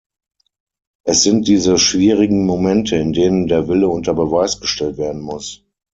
Es sind diese schwierigen Momente, in denen der Wille unter Beweis gestellt werden muss.